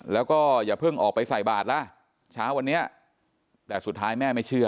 แล้วก็อย่าเพิ่งออกไปใส่บาทล่ะเช้าวันนี้แต่สุดท้ายแม่ไม่เชื่อ